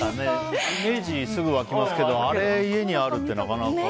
イメージすぐ湧きますけどあれが家にあるってなかなか。